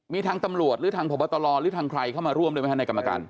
มีทางตำรวจทางผบตรวจหรือทางครัยเข้าร่วมในกรรมการ